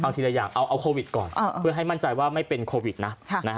ทีละอย่างเอาโควิดก่อนเพื่อให้มั่นใจว่าไม่เป็นโควิดนะ